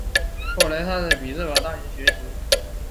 后来他在匹兹堡大学学习。